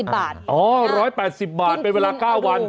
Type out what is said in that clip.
บาทอ๋อ๑๘๐บาทเป็นเวลา๙วัน